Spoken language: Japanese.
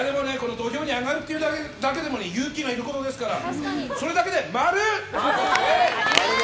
土俵に上がるだけでも勇気がいることですからそれだけで、丸！